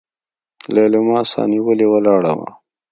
ليلما سانيولې ولاړه وه.